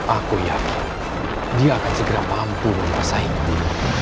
aku yakin dia akan segera mampu menguasai jurus